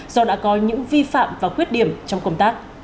do đã có những vi phạm và khuyết điểm trong công tác